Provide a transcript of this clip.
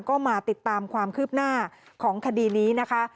ก็มาติดตามความคืบหน้าของคดีนี้นะคะ